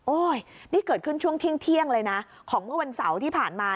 นี่เกิดขึ้นช่วงเที่ยงเลยนะของเมื่อวันเสาร์ที่ผ่านมา